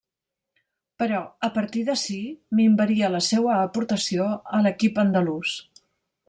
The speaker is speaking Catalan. Però, a partir d'ací minvaria la seua aportació a l'equip andalús.